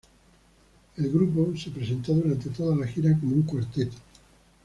El grupo se presentó durante toda la gira como un cuarteto.